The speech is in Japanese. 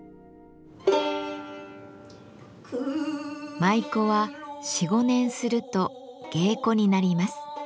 舞妓は４５年すると芸妓になります。